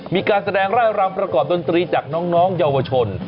มีการแสดงไร่รำประกอบดนตรีจากน้องเยาวชน